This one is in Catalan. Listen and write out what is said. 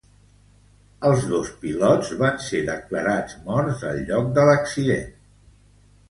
Els dos pilots van ser declarats morts al lloc de l'accident.